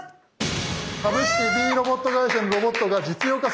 「株式Ｂロボット会社のロボットが実用化されると発表！」。